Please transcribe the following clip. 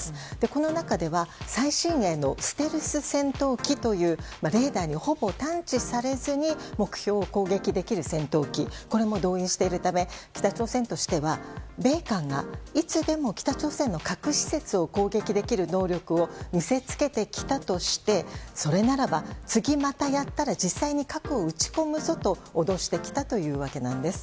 この中では最新鋭のステルス戦闘機というレーダーにほぼ探知されずに目標を攻撃できる戦闘機これも動員しているため北朝鮮としては米韓がいつでも北朝鮮の核施設を攻撃できる能力を見せつけてきたとしてそれならば、次またやったら実際に核を撃ち込むぞと脅してきたというわけなんです。